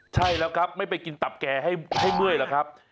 ใช่แล้วครับไม่ไปกินตับแก่ให้เมื่อยหรอกครับ